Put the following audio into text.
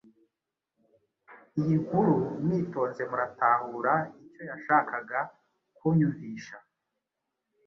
iyi nkuru mwitonze muratahura icyo yashakaga kunyumvisha.